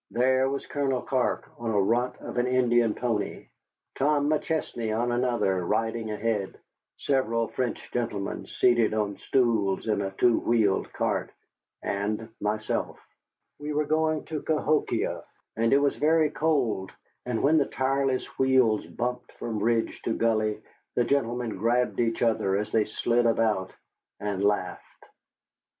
There was Colonel Clark on a runt of an Indian pony; Tom McChesney on another, riding ahead, several French gentlemen seated on stools in a two wheeled cart, and myself. We were going to Cahokia, and it was very cold, and when the tireless wheels bumped from ridge to gully, the gentlemen grabbed each other as they slid about, and laughed.